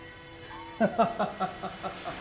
ハハハハ。